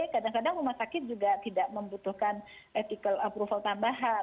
kadang kadang rumah sakit juga tidak membutuhkan ethical approval tambahan